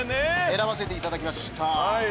選ばせていただきました。